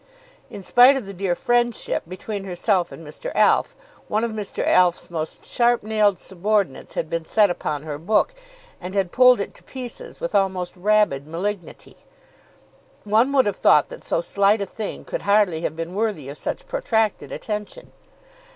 In spite of the dear friendship between herself and Mr. Alf, one of Mr. Alf's most sharp nailed subordinates had been set upon her book, and had pulled it to pieces with almost rabid malignity. One would have thought that so slight a thing could hardly have been worthy of such protracted attention.